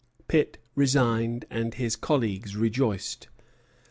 Pitt resigned, and his colleagues rejoiced.